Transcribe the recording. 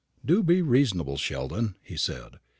"Do be reasonable, Sheldon," he said.